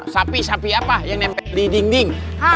sapi sapi apa yang nempel di dinding